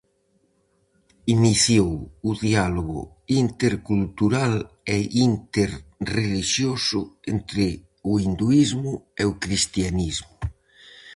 Iniciou o diálogo intercultural e interrelixioso entre o hinduísmo e o cristianismo.